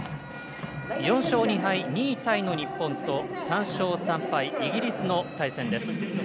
４勝２敗、２位タイの日本と３勝３敗、イギリスの対戦です。